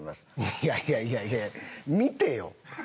いやいやいやいや見てよ